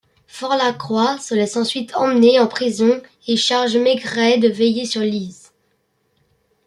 Forlacroix se laisse ensuite emmener en prison et charge Maigret de veiller sur Lise.